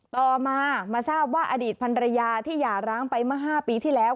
ต่อมามาทราบว่าอดีตพันรยาที่หย่าร้างไปเมื่อ๕ปีที่แล้ว